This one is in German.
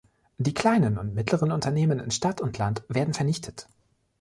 Die kleinen und mittleren Unternehmen in Stadt und Land werden vernichtet.